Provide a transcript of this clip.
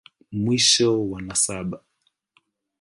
Mwisho wa nasaba.